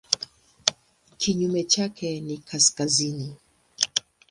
Kinyume chake ni kaskazini.